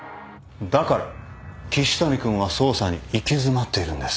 だから岸谷君は捜査に行き詰まっているんです。